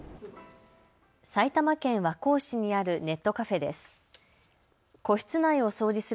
埼玉県和光市にあるネットカフェです。